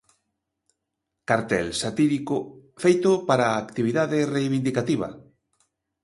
Cartel satírico feito para a actividade reivindicativa.